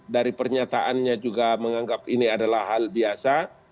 jadi pernyataannya juga menganggap ini adalah hal biasa